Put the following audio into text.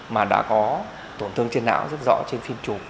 mà đã có tổn thương trên não rất rõ trên phim chụp